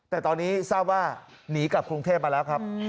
แต่ตอนนี้ทราบว่าหนีกลับกรุงเทพมาแล้วครับ